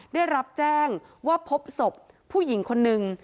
ได้รับแจ้งว่าพบศพผู้หญิงคนนึง